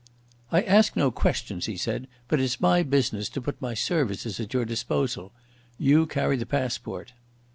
"I ask no questions," he said, "but it's my business to put my services at your disposal. You carry the passport."